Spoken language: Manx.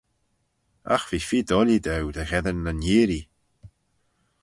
Agh ve feer doillee daue dy gheddyn nyn yeearree.